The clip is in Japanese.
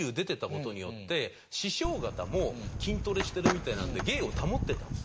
筋トレしてるみたいなんで芸を保ってたんです。